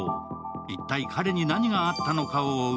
一体彼に何があったのかを追う